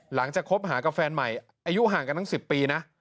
คบหากับแฟนใหม่อายุห่างกันตั้ง๑๐ปีนะ